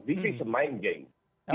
ini adalah main game